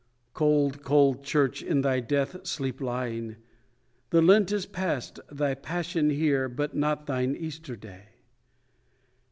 Cold cold church, in thy death sleep lying, The Lent is past, thy Passion here, but not thine Easter day.